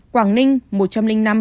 quảng ninh một trăm linh năm